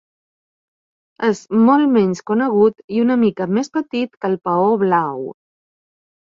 És molt menys conegut i una mica més petit que el paó blau.